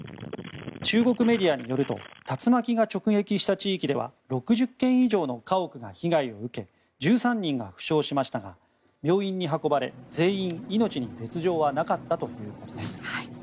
中国メディアによると竜巻が直撃した地域では６０軒以上の家屋が被害を受け１３人が負傷しましたが病院に運ばれ全員、命に別条はなかったということです。